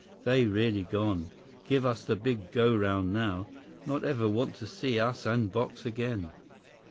They really gone. Give us the big go round now. Not ever want to see us and box again."